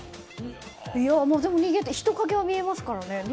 でも人影は見えますからね。